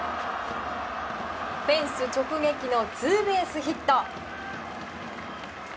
フェンス直撃のツーベースヒット。